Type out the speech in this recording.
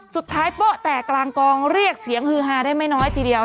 โป๊ะแตกกลางกองเรียกเสียงฮือฮาได้ไม่น้อยทีเดียว